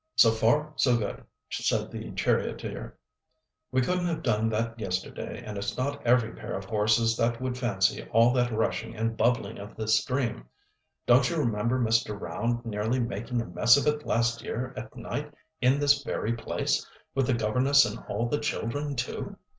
"So far, so good," said the charioteer; "we couldn't have done that yesterday, and it's not every pair of horses that would fancy all that rushing and bubbling of the stream. Don't you remember Mr. Round nearly making a mess of it last year at night in this very place, with the governess and all the children too?